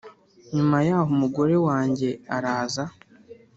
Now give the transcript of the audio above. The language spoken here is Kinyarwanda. Nyuma yaho umugore wanjye araza